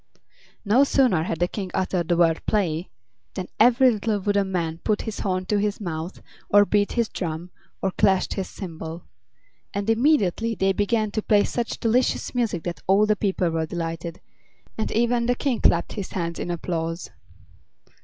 No sooner had the King uttered the word "play" than every little wooden man put his horn to his mouth, or beat his drum, or clashed his cymbal; and immediately they began to play such delicious music that all the people were delighted, and even the King clapped his hands in applause.